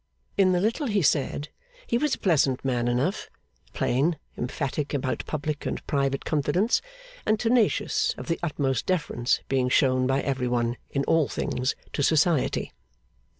In the little he said, he was a pleasant man enough; plain, emphatic about public and private confidence, and tenacious of the utmost deference being shown by every one, in all things, to Society.